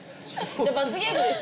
じゃあ罰ゲームですよ